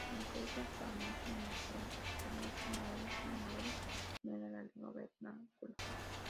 Incluso para muchos neozelandeses maoríes, el maorí no era la lengua vernácula.